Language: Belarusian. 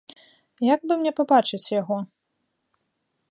Як бы мне пабачыць яго?